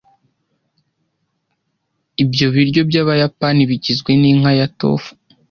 Ibyo biryo byabayapani bigizwe ninka ya Tofu